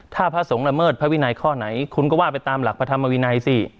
ถ้าพระสงฆ์ละเมิดพระวินัยข้อไหนคุณก็ว่าไปตามหลักพระธรรมวินัยสิ